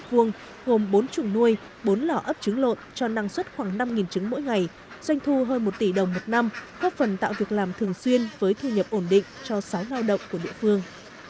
gồm bốn chủng nuôi bốn lò ấp trứng lộn cho năng suất khoảng năm trứng mỗi ngày doanh thu hơn một tỷ đồng một năm góp phần tạo việc làm thường xuyên với thu nhập ổn định cho sáu lao động của địa phương